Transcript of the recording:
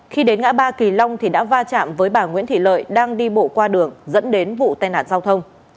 khi đến ngã ba kỳ long thì đã va chạm với bà nguyễn thị lợi đang đi bộ qua đường dẫn đến vụ tai nạn giao thông